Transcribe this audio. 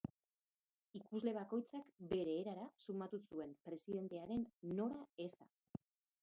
Ikusle bakoitzak bere erara sumatu zuen presidentearen nora eza.